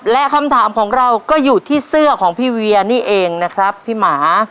และคำถามของเราก็อยู่ที่เสื้อของพี่เวียนี่เองนะครับพี่หมา